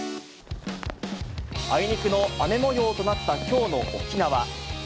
あいにくの雨もようとなったきょうの沖縄。